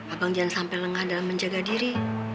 abang jangan sampai lengah dalam menjaga diri